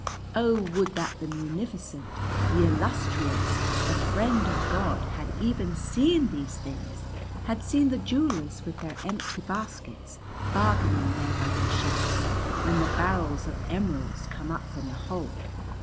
"O would that the Munificent, the Illustrious, the Friend of God, had even seen these things, had seen the jewellers with their empty baskets, bargaining there by the ships, when the barrels of emeralds came up from the hold.